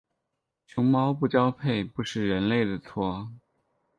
熊猫不交配不是人类的错。